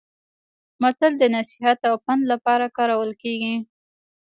متل د نصيحت او پند لپاره کارول کیږي